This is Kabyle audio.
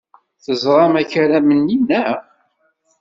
Teẓram akaram-nni, naɣ?